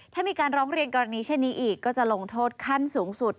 ถ้ามีการร้องเรียนกรณีเช่นนี้อีกก็จะลงโทษขั้นสูงสุด